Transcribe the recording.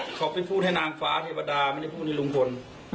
ของเขาเป็นผู้เฉพาะธิบดาไม่ได้พูดให้ลุงคน